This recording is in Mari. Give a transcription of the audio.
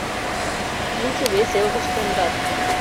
Лучо вес эл гыч кондат.